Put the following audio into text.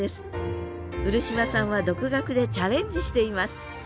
漆島さんは独学でチャレンジしています